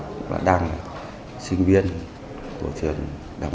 tại cơ quan công an